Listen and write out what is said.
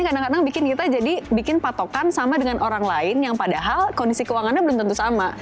kadang kadang bikin kita jadi bikin patokan sama dengan orang lain yang padahal kondisi keuangannya belum tentu sama